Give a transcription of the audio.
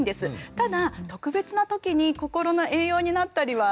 ただ特別な時に心の栄養になったりはしますよね。